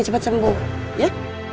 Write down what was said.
cepet sembuh ya